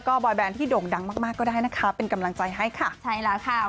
ก็ฝากติดตามซีเกิร์ลแล้วก็ซีบอยส์ค่ะ